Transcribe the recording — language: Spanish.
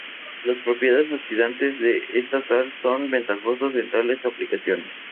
Las propiedades oxidantes de esta sal son ventajosos en tales aplicaciones.